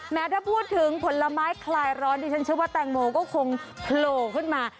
ถ้าพูดถึงผลไม้คลายร้อนดิฉันเชื่อว่าแตงโมก็คงโผล่ขึ้นมา